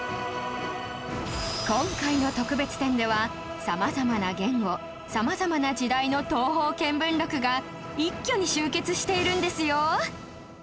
今回の特別展では様々な言語様々な時代の『東方見聞録』が一挙に集結しているんですよ